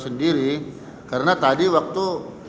sendiri karena tadi waktu